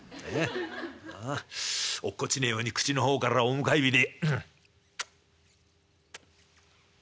落っこちねえように口の方からお迎え火で」。